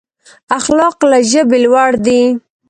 اخلاق له ژبې لوړ دي.